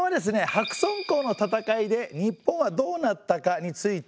「白村江の戦いで日本はどうなったか」についての資料ですね。